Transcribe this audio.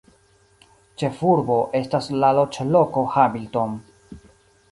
Ĉefurbo estas la loĝloko Hamilton.